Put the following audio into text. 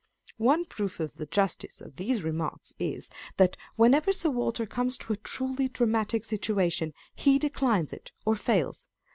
One proof of the justice of" these remarks is, that whenever Sir Walter comes to a truly dramatic situation, he declines it or fails.